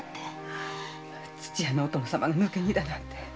土屋のお殿様が抜け荷だなんて。